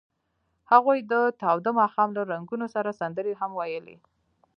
هغوی د تاوده ماښام له رنګونو سره سندرې هم ویلې.